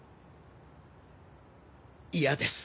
嫌です。